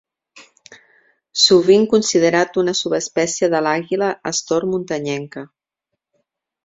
Sovint considerat una subespècie de l'àguila astor muntanyenca.